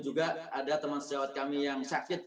juga ada teman sejawat kami yang sakit